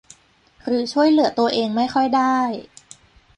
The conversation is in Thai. หรือช่วยเหลือตัวเองไม่ค่อยได้